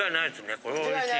これはおいしい。